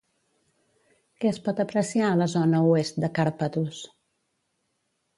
Què es pot apreciar a la zona oest de Càrpatos?